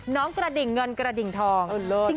กระดิ่งเงินกระดิ่งทอง